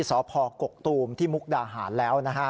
สพกกตูมที่มุกดาหารแล้วนะฮะ